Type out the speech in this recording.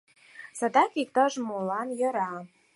Садак иктаж-молан йӧра.